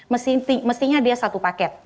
mestinya dia satu paket